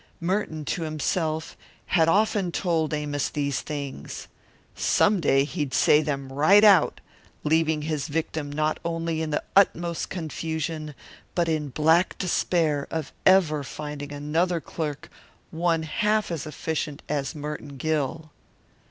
Merton, to himself, had often told Amos these things. Some day he'd say them right out, leaving his victim not only in the utmost confusion but in black despair of ever finding another clerk one half as efficient as Merton Gill.